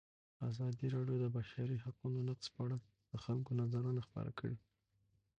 ازادي راډیو د د بشري حقونو نقض په اړه د خلکو نظرونه خپاره کړي.